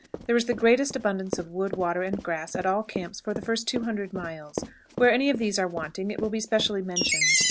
There is the greatest abundance of wood, water, and grass at all camps for the first 200 miles. Where any of these are wanting it will be specially mentioned.